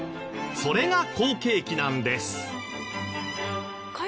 それが好景気なんです。